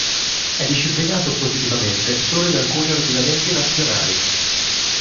È disciplinato positivamente solo in alcuni ordinamenti nazionali.